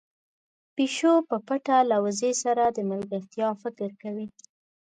پيشو په پټه له وزې سره د ملګرتيا فکر کوي.